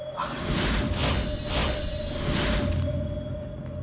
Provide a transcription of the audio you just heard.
ฮ่า